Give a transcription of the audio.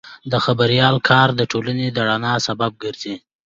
د خبریال کار د ټولنې د رڼا سبب ګرځي.